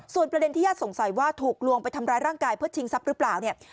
ส่วนประเด็นที่ญาติสงสัยว่าถูกลวงไปทำร้ายร่างกายเพื่อชิงทรัพย์หรือเปล่าเนี่ย